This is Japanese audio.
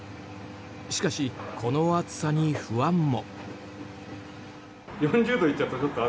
しかし、この暑さに不安も。